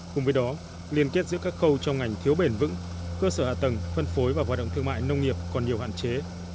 cùng với đó liên kết giữa các khâu trong ngành thiếu bền vững cơ sở hạ tầng phân phối và hoạt động thương mại nông nghiệp còn nhiều hạn chế